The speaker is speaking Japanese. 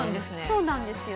そうなんですよ。